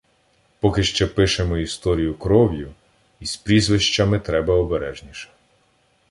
Поки ще пишемо історію кров'ю — із прізвищами треба обережніше.